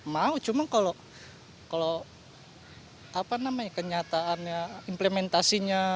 mau cuma kalau kenyataannya implementasinya